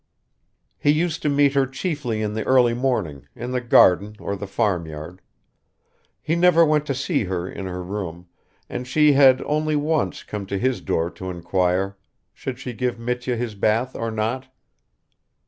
He used to meet her chiefly in the early morning, in the garden or the farmyard; he never went to see her in her room and she had only once come to his door to inquire should she give Mitya his bath or not?